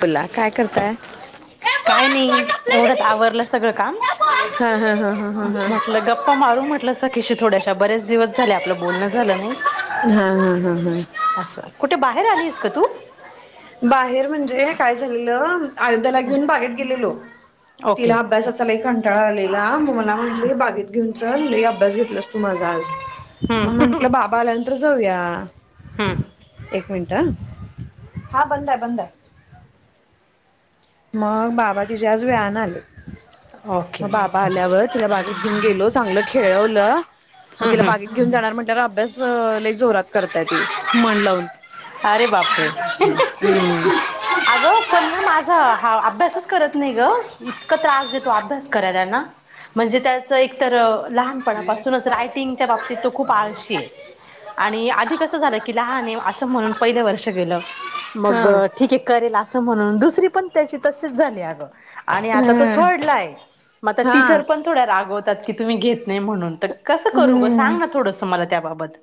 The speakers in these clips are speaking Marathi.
पुल्ला, काय करताय? काय नई. एवढ्यात आवरलं सगळं काम. हा हा हा हा हा हा म्हटलं गप् प्पा मारू म्हटलं सखीशी थोड्याशा, बऱ्याच दिवस झाले, आपलं बोलणं झालं नाही. हा हा हा हा असं. कुठे बाहेर आलीस का तु? बाहेर म्हणजे, काय झालेलं आयोध्याला घेऊन बागेत गेलेलो. ओके तिला अभ्यासाचा लई कंटाळा आलेला, म मला म्हटली बागेत घेऊन चल, लई अभ्यास घेतलास तू माझा आज. मग हम्म म्हट टलं बाबा आल्यानंतर जाऊया. हम्म एक मिनटं ह. हा बंदाय, बंदाय. मग बाबा तिजे आज वेळानं आले. ओके मग बा आल्यावर तिला बागेत घेऊन गेलो, चांगलं खेळवलं, मग तिला हम्म बागेत हम्म घेऊन जाणार म्हणल्यावर अभ्यास लई जोरात करताय ती, मन लावून. अरे हम. आगं, पण ना, माझा हा अभ्यासच करत नाही ग, इत् तकं त्रास देतो अभ्यास करायला ना. म्हणजे त्याचं एकतर लहान पणापासूनच रायटिंगच्या बाबतीत तो खूप आळशीय. आणि आधी कसं झालं की, लहानय असं म्हणून. पहिलं वर्ष गेलं. हा मगं ठीके करेल असं म्हणून. दुसरी पण त्याची तशीच झाली अगं. आणि आता तो हम्म थर्डलाय. मग आता हा टीचर पण थोड्या रागवतात की, तुम्ही घेत नाही म्हणून. तर कसं करू गं. हम्म सांग ना थोडंस, मला त्याबाबत.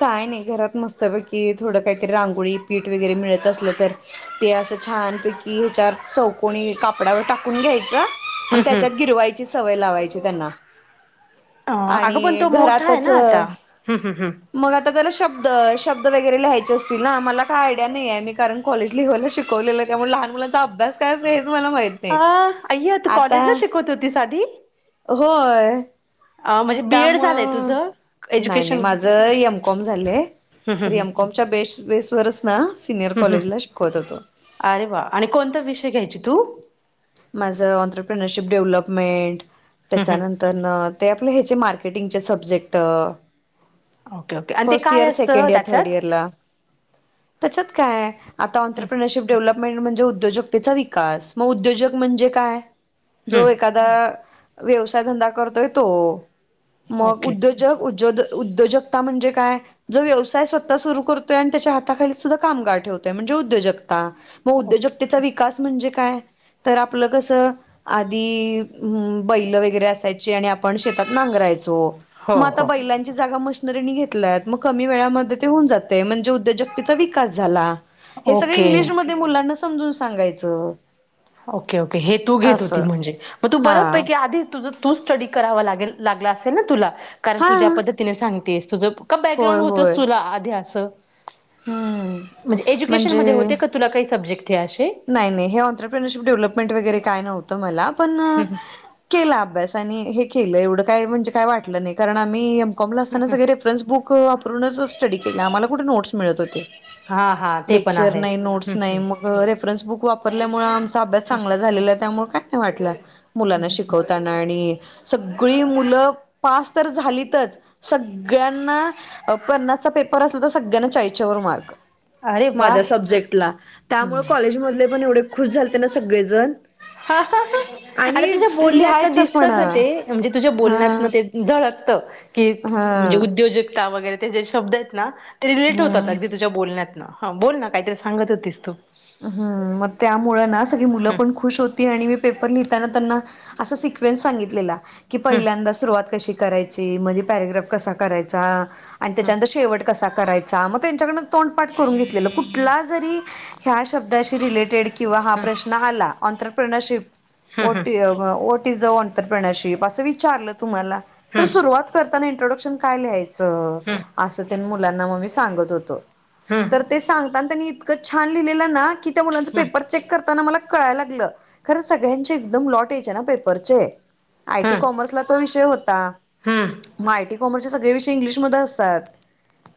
काय नाही. घरात मस्त पैकी, थोडं काहीतरी रांगोळी, पीठ वगैरे मिळत असलं तर ते असं छानपैकी, ह्याच्यावर चौकोणी कापडावर टाकून घ्यायचं. आणि हम्म हम्म. त्याच्यात गिरवायची सवय लावायची त्यांना. आणि घरातच हम्, हं, ह. मग आता त्याला शब्द, शब्द वगैरे लिहायचे असतील ना मला काय आयडिया नईये मी कारण- कॉलेज लेव्हल्ला शिकवलेलं त्यामुळे लहान मुलांचा अभ्यास काय असतो हेच मला माहित् ते अ अय्या तू आता कॉलेजला शिकवत होतीस आधी होय- म्हणजे बी एड झालंय त्यामुळं तुझं? नाई नाई माझं एम. कॉम. झालंय. हु हु हु. च्या बेस बेसरच ना सिनियर कॉलेजला शिकवतो तो. अरे वा आणि कोणता विषय घ्यायची तू? माझं ऑंन्त्रप्रिनरशिप डेव्हलपमेंट हम्म हम्म. त्याच्यानं -तरन ते आपले ह्याचे मार्केटिंगचे सब्जेक्ट ओके ओके आणि ते फर्स्ट काय इयर असतं सेकंड इयर थर्ड त्याच्यात? इयर ला त्याच्यात काय आताऑंन्त्रप्रेनरशिप डेव्हलपमेंट म्हणजे उदयोजकतेचा विकास म उदयोजक म्हणजे काय जो हम्म एखादा व्यवसाय धंदा करतोय तो. मग ओके उद्योजक ऊज्योद् उद्योजकता म्हणजे काय? जो व्यवसाय स्वतः सुरू करतोय अन् त्याच्या हाताखाली सुद्धा कामगार ठेवतोय म्हणजे उद्योजकता. म ओके उद्योजकतेचा विकास म्हणजे काय? तर आपलं कसं आधी बैलं वगैरे असायचे आणि आप् आपण शेतात नांगरायचो हो म आता हो बैलांची जागा मशी् नरींनी घेतलायत म कमी वेळामध्ये ते हुन जातंय म्हणजे उद्योजकतेचा विकास झाला. हे सगळं ओके इंग्लिशमध्ये मुलांना समजून सांगायचं. ओके ओके हे तू घेत होती असं म्हणजे, म तु हा बरं पैकी आधी तुझं तू स्टडी करावा लागेल लागला असेल न तुला कारण हा तू ज्या पद्धतीने सांगतेस तुझ का होय बॅकग्राउंड होतंच होय तुला आधी असं, हम्म म्हणजे एजुकेशन मधे होते का तुला काही सब्जेक्ट हे असे. नाय नाय हे ऑन्त्रप्रेनरशिप डेव्हलपमेंट वगैरे काय नव्हतं मला पण केला अभ्यास आणि हे केलं एवढं काय म्हणजे काय वाटलं नी कारण आम्ही एम. कॉम. ला असताना सगळे रे -फरन्स बुक वापरुनच स्टडी केला आम्हाला कुठ नोट्स मिळत होत्- हा हा ते पण लेक्चर आहे नाई हम्म नोट्स नाई हम्म मग अं रेफरन्स बुक वापरल्यामुळं आमचा अभ्यास चांगला झालेला आहे त्यामुळं काय नाई वाटला मुलांना शिकवता नाय आणि सगळी मुलं पास तर झालीतच सगळ्यांना अ पन्नासचा पेपर असला त सगळ्यांना चाळीसच्यावर मार्क. अरे वा माझ्या सब्जेक्टला त्यामुळं हम्म कॉलेज मधले पण एवढे खुश झाल्ते ना सगळेजण हा हा हा आणि तुझ्या बोलण्यातनं लिहायचं पण दिसतं ग ते म्हणजे तुझ्या बोलण्यातन हा ते झळकतं कि म्हणजे हा उद्योजकता वगैरे ते जे शब्दयेत ना ते रिलेट होतात हम्म अगदी तुझ्या बोलण्यात न हा बोल ना कायतरी सांगत होतीस तू. हम्म म त्यामुळं ना सगळी मुलं हम्म पण खुश होती आणि मी पेपर लिहिताना त्यांना असा सिक्वेन्स सांगितलेला की हम्म पहिल्यांदा सुरुवात कशी करायची मध्ये पॅरेग्राफ कसा करायचा आन त्याच्यानंतर शेवट कसा करायचा म त्यांच्याकडनं तोंड पाठ करून घेतलेलं कुठला जरी ह्या शब्दाशी रिलेटेड किंवा हा हम्म प्रश्न आला ऑंन्त्रप्रेनरशिप हम्म what e what is uh entrepreneurship असं विचारलं तुम्हाला तर हम्म सुरुवात करताना इंट्रोडक्शन काय लिहायचं हम्म असं त्यांन मुलांना म मी सांगत होतो हम्म तर ते सांगताना त्यांनी इतकं छान लिहिलेलं ना की त्या मुलांच हम्म पेपर चेक करताना मला कळाय लागलं खरं सगळ्यांचे एकदम लॉट यायचे ना पेपरचे हम्म आय. टी. हम्म कॉमर्स ला तो विषय होता. हम्म हम्म हम्म म आय. टी. कॉमर्सचे सगळे विषय इंग्लिश मध्ये असतात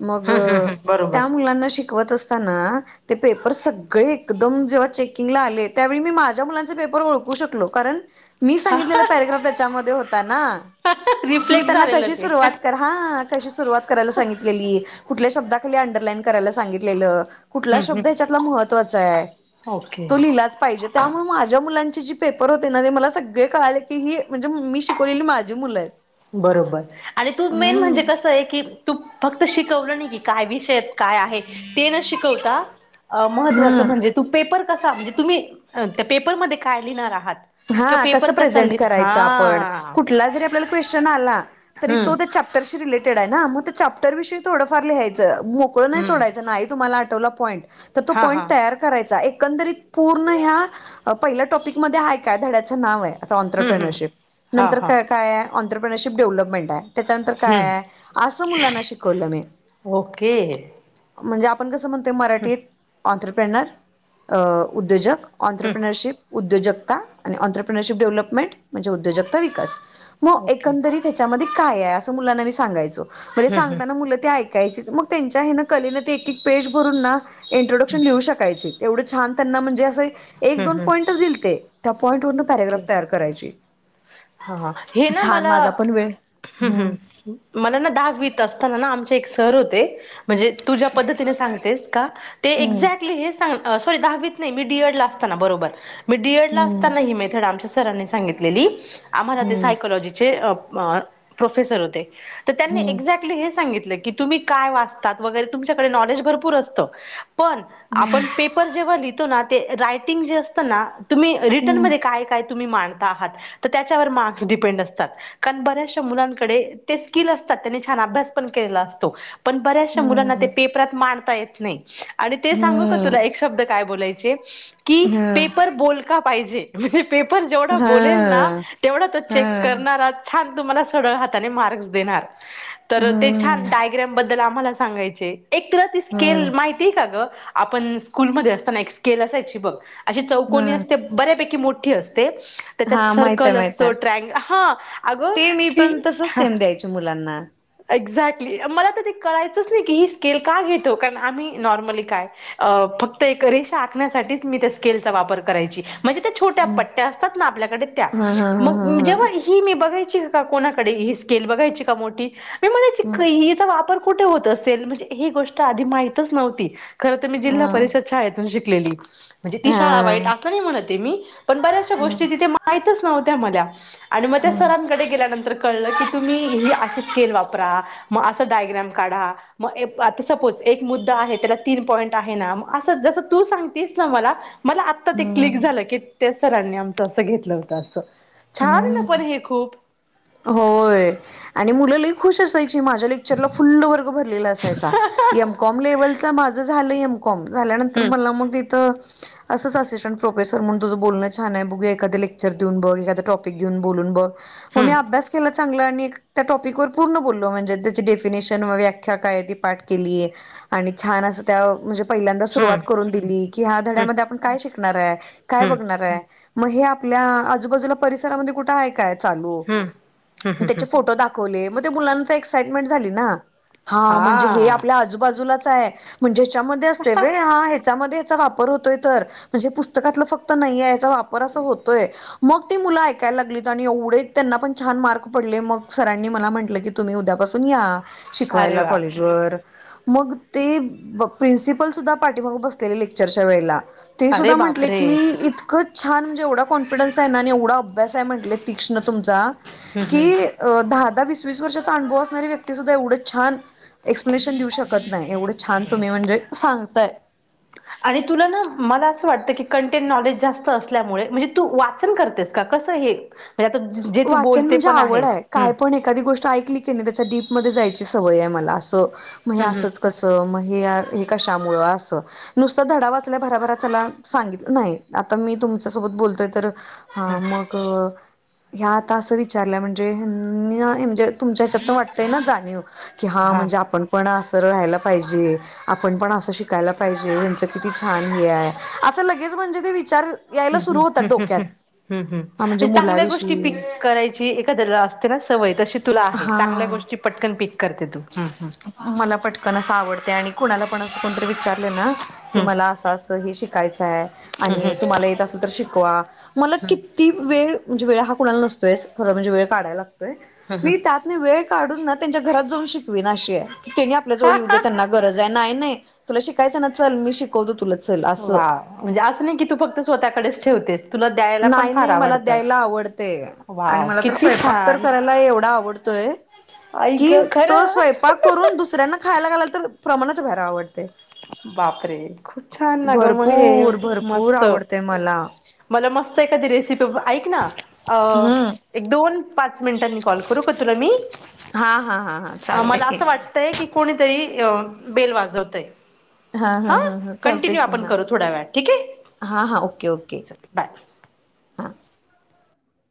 मग हम्म हम्म त्या बरोबर मुलांना शिक शिकवत असताना ते पेपर सगळे एकदम जेव्हा चेकिंगला आले त्यावेळी मी माझ्या मुलांचे पेपर ओळखू शकलो, कारण मी हा सांगितलेला हा पॅरेग्राफ त्याच्यामध्ये होता ना, हा हा की मी रिफ्लेक्ट त्यांना झालेलं कशी ते सुरवात हम्म करा हा कशी सुरुवात करायला सांगितलेली, कुठल्या शब्दाखाली अंडरलाईन करायला सांगितलेलं, कुठला हम्म शब्द हेच्यातला महत्वाचा आहे, ओके तो लिहलाच पाहिजेत त्यामुळ माझ्या मुलांचे जी पेपर होते ना ते मला सगळे कळाले की ही म्हणजे मी शिकवलेली माझी मुलं आहेत. बरोबर आणि तू मेन हम्म म्हणजे कसं आहे की, तू फक्त शिकवलं नाही की काय विषय आहेत काय आहे ते न शिकवता महत्वाच हम्म म्हणजे तू पेपर कसा म्हणजे तुम्ही त्या पेपरमध्ये काय लिहिणार आहात? किंवा हा पेपर कसं कसा प्रेझेंट लिह करायचं आपण हा कुठला जरी आपल्याला क्वेस्शन आला तरी हम्म तो त्या चॅप्टरशी रिलेटेड आहे ना, म ते चॅप्टर विषयी थोडं फार लिहाय च, मोकळं नाही हम्म सोडायचं नाही तुम्हाला आठवला पॉईंट तर तो हा हा पॉईंट तयार करायचा एकंदरीत पूर्ण ह्या पहिल्या टॉपिक मध्ये हाय काय धड्याचं नाव हाय आता हम्म हम्म ऑनत्रप्रेनरशिप, हा नंतर हा काय काय आहे? ऑनतरप्रेनरशिप डेव्हलपमेंट हाय, तेच्यानंतर काय आहे हम्म आसं मुलांना शिकवलं मी. ओके म्हणजे आपण कसं म्हणतोय मराठीत ऑनत्रप्रेनर अ उद्योजक हम्म ऑनत्रप्रनरशिप उद्योजकता आणि ऑनत्रप्रनरशिप डेव्हलपमेंट म्हणजे उद्योजकता विकास. म ओके एकंदरीत हेच्यामध्ये काय आहे आसं मुलाना मी सांगायचो, म्हणजे हम्म हम्म सांगताना मुलं ते ऐ ऐकाचित मग तेच्या हेन कलेन ते एक एक पेज भरून ना इंट्रोडक्शन लिहू शक ऐकायचीत एवढ छान त्यांना म्हणजे आस एक हम्म दोन हम्म पॉइटच दिलते त्या पॉइटवरन प्यारेग्राफ तयार करायची. हा हा, हे ना छान मला माझा पण वेळ हुं हम्म हुं मला ना दहावीत असताना ना आमचे एक सर होते, म्हणजे तू ज्या पद्धतीने सांगतेस का ते हम्म एक्झॅक्टली हेस सांग सॉरी दहावीत नाही मी डी. एड. ला असताना बरोबर मी डी. एड. ला हम्म आसताना ही मेथड आमच्या सरांनी सांगित लेली. आम्हाला ते हम्म सायकोलॉजीचे अ म प्रोफेसर होते. तर त्यांनी हम्म एक्झॅक्टली हे सांगितलं की तुम्ही काय वाचतात वगैरे तुमच्याकडे नॉलेज भरपूर असतं, पण आपण पेपर जेव्हा लिहितो ना ते रायटिंग जे असतं ना तुम्ही रिटनमध्ये हम्म काय काय तुम्ही मांडता आहात त त्याच्यावर मार्क्स डिपेंड असतात. कारण बऱ्याचशा मुलांनकडे ते स्किल असतात, त्यांनी छान अभ्यास पण केला असतो, पण बऱ्याचशा मुलांना ते हम्म पेपरात मांडता येत नाही, आणि ते सांगू का तुला हम्म एक शब्द काय बोलाय चे की हा पेपर बोलका पाहिजे म्हणजे पेपर जेव हा बोलेल ना तेवढा तो हा चेक करणारा छान तुम्हाला सरळ हाताने मार्क्स देणार, तर ते हम्म छान टायग्राम बद्दल आम्हाला सांगायचे एक तुला ती स्किल हम्म माहित ती का गं आपण स्कूल मध्ये असताना एक स्केल असायची बघ अशी हा चौकनी असते बऱ्यापैकी मोठी असते, तेच्यात हा माहित आहे सर्कल माहित असतो, आहे ट्रँग हा आगं मी की पण तसच हा सेम ते द्यायचे मुलांना एक्झॅक्टली मला तर ते कळायचंच नाही की ही स्केल का घेतो? कारण आम्ही नॉर्मली काय अ फक्त एक रेषा आखण्यासाठीच मी त्या स्केलचा वापर करायची. म्हणजे त्या छोट्या पट्ट्या असतात ना आपल्याकडे त्या, हा हा हा मग हा जेव्हा ही ही मी बघायची का कोणाकडे ही स्केल बघायची का मोठी मी म्हणायची कै हीचा वापर कुठं होत असेल? म्हणजे ही गोष्ट आधी माहितच नव्हती खरं त मी जिल्हा हा परिषद शाळेतून शिकलेली म्हणजे ती हा शाळा वाईट हा अस नाही म्हणत मी पण बऱ्याचशा गोष्टी तिथे मा माहतच नव्हत्या मज्जा आणि मग त्या सरांकडे गेल्यानंतर कळलं की तुम्ही ही अशेच स्केल वापरा, मग अस डायग्रॅम काढा. मग एक बातच बोलते एक मुद्दा आहे त्याला तीन पॉईंट आहे ना मग असं जसं तू सांगतेस ना मला. मला आत्ता ते क्लिक झालं की त्या सरांनी आमच असा घेतलं होतं. आसं. छान आहे ना परी ही खूप. होय आणि मुलं लई खुश असायची माझ्या लेक्चरला फुल्ल वर्ग भरलेला असायचा. एमकॉम लेवल तर माझ झालं एमकॉम झाल्यानंतर हम्म मला मग तिथ असंच असिस्टंट प्रोफेसर म्हणून तुझं बोलणं छान आहे बघू एखाद लेक्चर देऊन बघ एखादा टॉपिक घेऊन बोलून बघ. हो मी हम्म अभ्यास केला चांगलं आणि त्या टॉपिक वर पूर्ण बोललो म्हणजे त्याची डेफिनेशन व व्याख्या काय ती पाठ केलीय आणि छान असं त्या म्हणजे. पहिल्यांदा सुरुवात हम्म करून दिली, की ह्या हम्म धड्यामध्ये आपण काय शिकणार आहे? काय हम्म बघणार आहे? म हे आपल्या आजूबाजूला परिसरामध्ये कुठे आहे काय चालू हम्म हम्म हम्म त्याचे हम्म फोटो दाख कोल्हे, मग ते मुलांना तर एक्साइटमेंट झाली ना, हा म्हणजे हे आपल्या आजूबाजूलाच आहे. म्हणजे ह्याच्यामध्ये असते वे हा ह्याच्यामध्ये याचा वापर होतोय तर म्हणजे पूस तर त्यातलं फक्त नाहीेये याचा वापर असा होतोय मग ती मुलं ऐकायला लागलीत आणि एवढे त्यांना पण छान मार्क पडले मग सरांनी मला म्हंटलं की तुम्ही उद्यापासून या अरे शिकवायला वा कॉलेज बरं. मग ते प प्रिन्सिपल सुद्धा पाठीमाग बसलेले, लेक्चरच्या वेळेला. ते अरे सुद्धा म्हंटले बापरे की इतकं छान जेवढा कॉन्फिडन्स आहे आणि एवढा अभ्यासआहे म्हटले तीक्ष्ण तुमचा हम्म की हम्म अ दहा दहा वीस वीस वर्षाचा अनुभव असणारी व्यक्ती सुद्धा एवढं छान एक्सप्लेनेशन देऊ शकत नाही एवढं छान तुम्ही म्हणजे सांगताय. आणि तुला ना मला असं वाटतं की, कंटेंट नॉलेज जास्त असल्यामुळे म्हणजे तू वाचन करतेस. का कस येईल? म्हणजे आता जे तू वाचन बोलते म्हणजे पण आवड आहेस. आहे हम्. काय पण एखादी गोष्ट ऐकली की नाही त्याच्या डीपमध्ये जायची सवय आहे आम्हाला असं म हे आसच. हम्म कसं मग? हे हे कशामुळं आसं? नुसता धडा वाचल्या भराभरा त्चला सांगितलं नाही. बीयाकलसांगितलं नाही आता मी तुमच्यासोबत बोलतोय तर हा मग? ह्यात असं विचारल्या म्हणजे म्हणजे तुमच्या हच्यात पण वाटतय ना जाणीव. की हा म्हणजे आपण पण असं राहायला पाहिजे. आपण पण असं शिकायला पाहिजे ह्याचं किती छान हे आहे असं लगेच म्हणजे ते विचार. हं यायला हं सुरू होतात हं डोक्यात हुं हुं हा म्हणजे चांगल्या गोष्टी. मुलाविषयी कीपिक करायची एखद्याला असते ना सवय तशी. तुला आहे चांगल्या हा गोष्टी पटकन पीक करते तू हुं हुं. मला पटकन असं आवडते आणि कुणाला पण असं कोणतरी विचारले ना की मला हम्म असं असं हे शिक शिकायचं आहे आणि हम्म तुम्हाला येत असेल तर शिकवा मला की ती वेळ म्हणजे वेळ हा कुणाला नसतोय खरं म्हणजे वेळ काढायला लागतोय हम्म हम्म मी त्यात नाही वेळ काढून ना त्यांच्या घरात जाऊन शिकवीना अशी आहे. तेनी आपल्या जवळ येऊद्या त्यांना हम्म गरज आहे नाही नाही तुला शिकायचं ना चल मी शिकवतो तुला चल आस. वाव म्हणजे आसं नाही की तू फक्त स्वतःकडेच ठेवतेस. तुला द्यायला पण नाही फार नाही मला आवडत, द्यायला आवडते आणि वाव मला तर किती स्वयंपाक तर छान करायला एवढा आवडतोय आई ग कि तो खरं स्वयंपाक करून दुसऱ्यांना खायला घालाल तर प्रमाणाच्या बाहेर आवडत. बापरे खूप छान ना ग मग हे, भरपूर भरपूर मस्त. आवडते मला मला मस्त एखादी रेसिपी,. ऐक ना, हम्म अं एक दोन, पाच मिनिटांनी कॉल करू का तुला मी? हा हा हा हा चालते मला की असं वाट तय की, कोणीतरी अ बेल वाजवतय. हा, कंटिन्यू आपण करू थोडा वेळात, ठीक आहे? हा हा ओके ओके चल बाय. हा